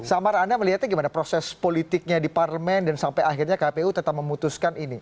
samar anda melihatnya gimana proses politiknya di parlemen dan sampai akhirnya kpu tetap memutuskan ini